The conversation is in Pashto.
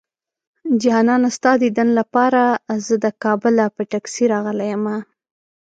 جانانه ستا ديدن لپاره زه د کابله په ټکسي راغلی يمه